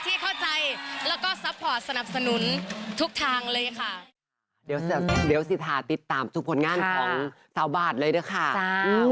ที่เข้าใจแล้วก็ซัพพอร์ตสนับสนุนทุกทางเลยค่ะ